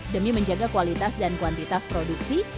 demi menjaga kualitas dan kuantitas produksi